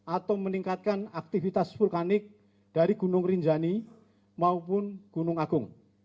atau meningkatkan aktivitas vulkanik dari gunung rinjani maupun gunung agung